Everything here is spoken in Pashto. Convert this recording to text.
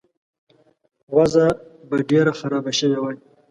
وضع به ډېره خرابه شوې وای.